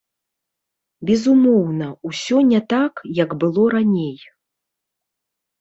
Безумоўна, усё не так, як было раней.